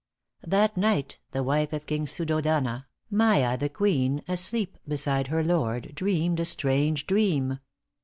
* That night the wife of King Sûddhôdana, Maya the Queen, asleep beside her Lord, _Dreamed a strange dream.